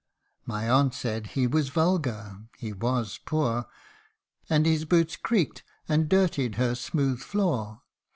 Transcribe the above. My aunt said he was vulgar ; he was poor, And his boots creaked, and dirtied her smooth floor.